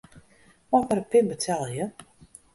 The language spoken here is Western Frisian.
Mei ik mei de pin betelje?